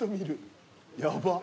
やばっ。